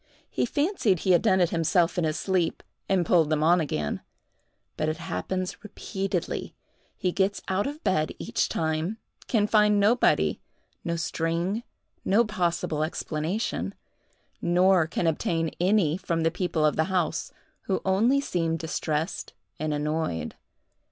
He fancied he had done it himself in his sleep, and pulled them on again;—but it happens repeatedly: he gets out of bed each time—can find nobody, no string, no possible explanation—nor can obtain any from the people of the house, who only seem distressed and annoyed.